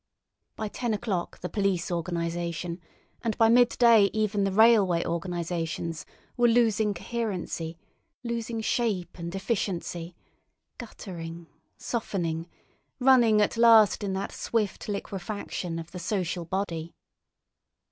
By ten o'clock the police organisation, and by midday even the railway organisations, were losing coherency, losing shape and efficiency, guttering, softening, running at last in that swift liquefaction of the social body.